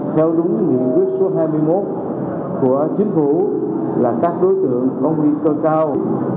theo đúng nghị quyết số hai mươi một của chính phủ là các đối tượng có nguy cơ cao